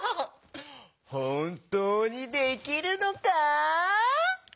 ほんとうにできるのか？